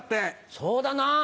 そうだな。